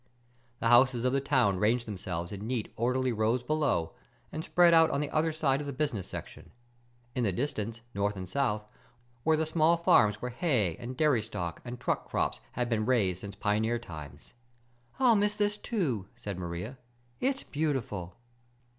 The houses of the town ranged themselves in neat, orderly rows below, and spread out on the other side of the business section. In the distance, north and south, were the small farms where hay and dairy stock and truck crops had been raised since pioneer times. "I'll miss this, too," said Maria. "It's beautiful."